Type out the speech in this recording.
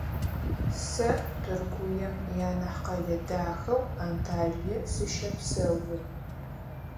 Сэ Тыркуем ианахь къэлэ дахэу Анталие сыщэпсэу.